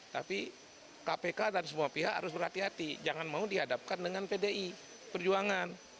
tapi kpk dan semua pihak harus berhati hati jangan mau dihadapkan dengan pdi perjuangan